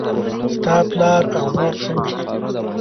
ستا پلار او مور څنګه دي؟